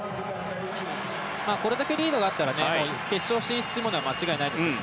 これだけリードがあったら決勝進出は間違いないですね。